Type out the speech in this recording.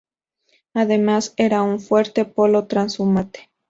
Además era un fuerte polo trashumante.